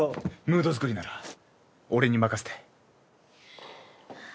ムードづくりなら俺に任して。